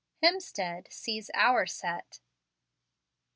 HEMSTEAD SEES "OUR SET."